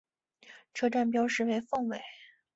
车站标识为凤尾。